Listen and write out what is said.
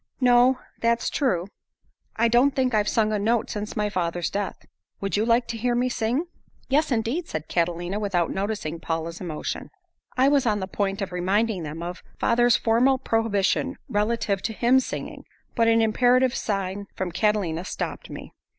"No, that's true. I don't think I've sung a note since my father's death. Would you like to hear me sing?" "Yes, indeed," said Catalina, without noticing Paula's emotion. I was on the point of reminding them of father's formal prohibition relative to hymn singing, but an imperative sign from Catalina stopped me.